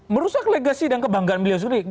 merusak legasi dan kebanggaan beliau sendiri